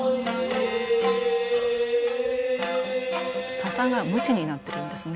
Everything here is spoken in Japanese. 笹がムチになっているんですね。